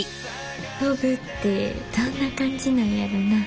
飛ぶってどんな感じなんやろな。